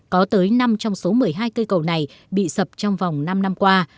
có tới năm trong số một mươi hai cây cầu này bị sập trong vòng năm năm qua